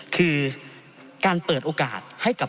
คือการเปิดโอกาสให้กับ